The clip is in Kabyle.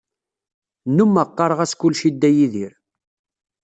Nnumeɣ qareɣ-as kullec i Dda Yidir.